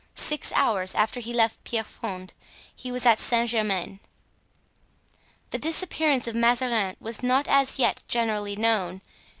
Six hours after he left Pierrefonds he was at Saint Germain. The disappearance of Mazarin was not as yet generally known.